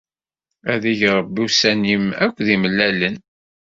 Ad ig Rebbi ussan-im akk d imellalen.